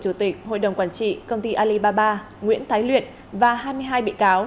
chủ tịch hội đồng quản trị công ty alibaba nguyễn thái luyện và hai mươi hai bị cáo